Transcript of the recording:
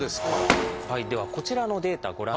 ではこちらのデータご覧ください。